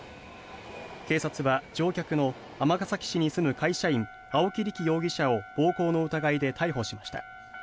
警察は乗客の尼崎市に住む会社員青木理貴容疑者を暴行の疑いで逮捕しました。